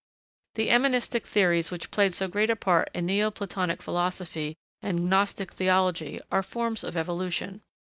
The emanistic theories which played so great a part in Neoplatonic philosophy and Gnostic theology are forms of evolution.